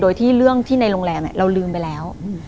โดยที่เรื่องที่ในโรงแรมเราลืมไปแล้ว